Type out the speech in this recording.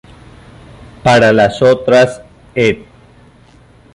Para las otras ed.